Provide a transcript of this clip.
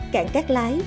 cảng cát lái